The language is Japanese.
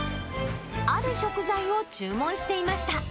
ある食材を注文していました。